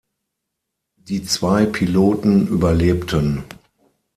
Die zwei Piloten überlebten.